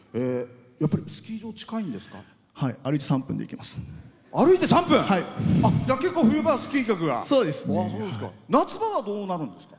やっぱりスキー場近いんですか？